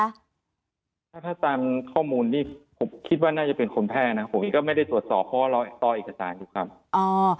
ถ้าถ้าตามข้อมูลนี่ผมคิดว่าน่าจะเป็นคนแพร่นะผมก็ไม่ได้ตรวจสอบเพราะว่ารอต่อเอกสารอยู่ครับ